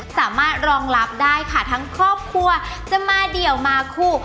สามารถรองรับได้ค่ะทั้งครอบครัวจะมาเดี่ยวมาคู่